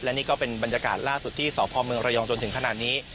และนี่ก็เป็นบรรยากาศล่าสุดที่สพเมืองระยองจนถึงขนาดนี้